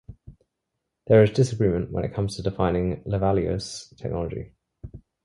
There is disagreement when it comes to defining Levallois technology.